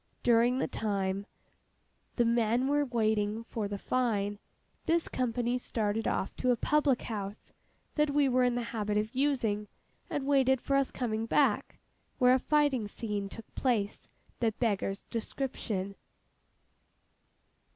During the time the men were waiting for the fine, this company started off to a public house that we were in the habit of using, and waited for us coming back, where a fighting scene took place that beggars description.